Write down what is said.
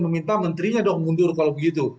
meminta menterinya dong mundur kalau begitu